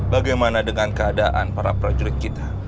bagaimana dengan keadaan para prajurit kita